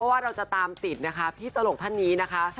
ว่าเราจะตามติดนะคะพี่ตลกท่านนี้นะคะ